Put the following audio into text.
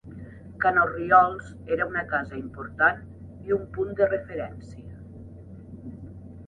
Ca n'Orriols era una casa important i un punt de referència.